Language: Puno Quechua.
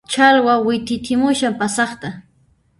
Challwa wit'itimushan pasaqta